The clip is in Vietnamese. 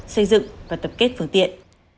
xây dựng và tập kết phương tiện